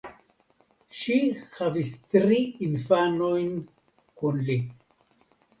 Ŝi havis tri infanojn kun li.